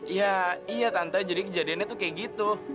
iya iya tante jadi kejadiannya tuh kayak gitu